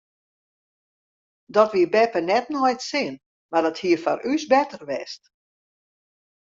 Dat wie beppe net nei it sin mar dat hie foar ús better west.